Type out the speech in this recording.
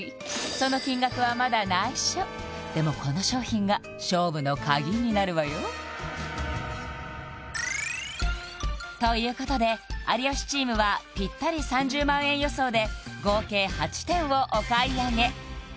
その金額はまだ内緒でもこの商品が勝負の鍵になるわよということで有吉チームはぴったり３０万円予想で合計８点をお買い上げ